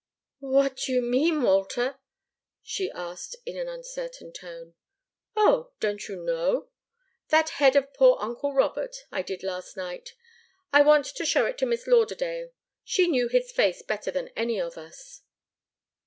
"What do you mean, Walter?" she asked, in an uncertain tone. "Oh don't you know? That head of poor uncle Robert, I did last night. I want to show it to Miss Lauderdale she knew his face better than any of us."